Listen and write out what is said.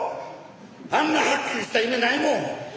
あんなガックリした夢ないもん！